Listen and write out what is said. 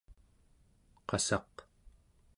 qassaq